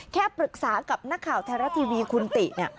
แค่ปรึกษากับหน้าข่าวไทยรัสทีวีคุณติ